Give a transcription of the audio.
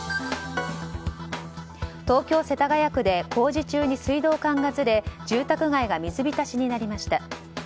東京・世田谷区で工事中に水道管がずれ住宅街が水浸しになりました。